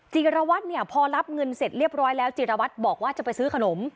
จิรวัตรเนี่ยพอรับเงินเสร็จเรียบร้อยแล้วจิรวัตรบอกว่าจะไปซื้อขนม